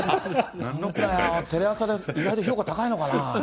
テレ朝で意外と評価高いのかな？